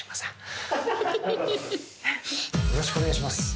よろしくお願いします。